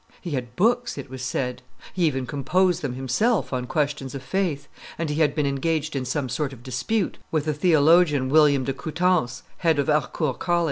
He had books, it was said; he even composed them himself on questions of faith, and he had been engaged in some sort of dispute with the theologian William de Coutance, head of Harcourt College.